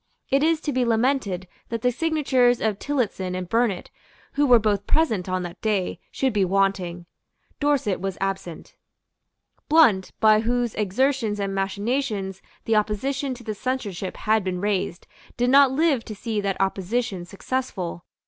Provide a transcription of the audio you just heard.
It is to be lamented that the signatures of Tillotson and Burnet, who were both present on that day, should be wanting. Dorset was absent. Blount, by whose exertions and machinations the opposition to the censorship had been raised, did not live to see that opposition successful.